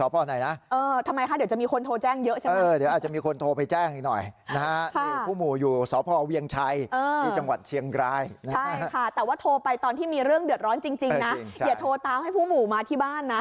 เพราะว่าขาวสะอาดหน้าตาดี